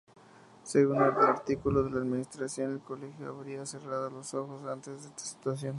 Según el artículo, la administración del Colegio habría cerrado los ojos antes esta situación.